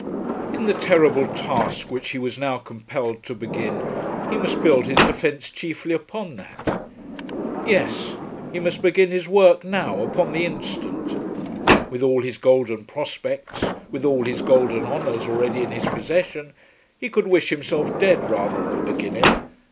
In the terrible task which he was now compelled to begin he must build his defence chiefly upon that. Yes; he must begin his work, now, upon the instant. With all his golden prospects, with all his golden honours already in his possession, he could wish himself dead rather than begin it.